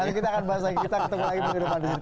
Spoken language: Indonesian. nanti kita akan bahas lagi kita ketemu lagi minggu depan